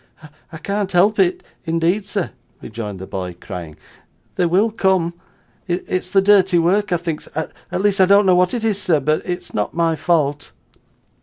'I can't help it, indeed, sir,' rejoined the boy, crying. 'They will come; it's the dirty work I think, sir at least I don't know what it is, sir, but it's not my fault.